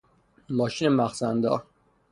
ماشین مخزن دار